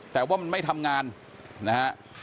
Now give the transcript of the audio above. แต่ว่ามันไม่ทำงานนะฮะ